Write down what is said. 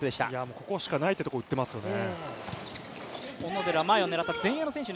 ここしかないってところに打ってますよね。